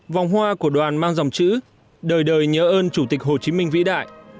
vòng hoa của đoàn mang dòng chữ đời đời nhớ ơn chủ tịch hồ chí minh vĩ đại